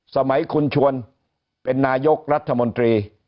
สมัยคุณชวนเป็นนายกรัฐมนตรี